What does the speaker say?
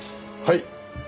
はい！